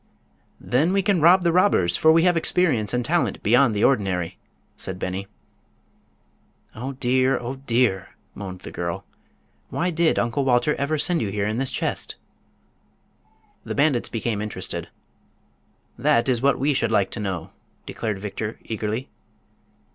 "Then we can rob the robbers, for we have experience and talent beyond the ordinary," said Beni. "Oh, dear; oh, dear!" moaned the girl; "why did Uncle Walter ever send you here in this chest?" The bandits became interested. "That is what we should like to know," declared Victor, eagerly.